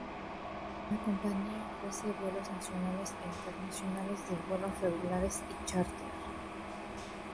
La compañía ofrece vuelos nacionales e internacionales de vuelos regulares y chárter.